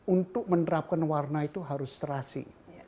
untuk menerapkan warna itu harus terasi